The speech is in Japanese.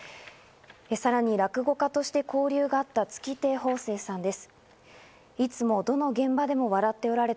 さらに落語家として交流があった月亭方正さんです。